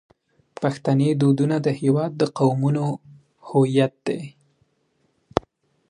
پښتني دودونه د هیواد د قومونو هویت دی.